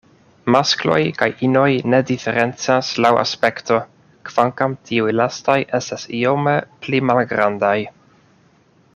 Maskloj kaj inoj ne diferencas laŭ aspekto, kvankam tiuj lastaj estas iome pli malgrandaj.